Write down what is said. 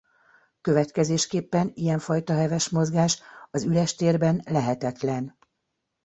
Következésképpen ilyen fajta heves mozgás az üres térben lehetetlen.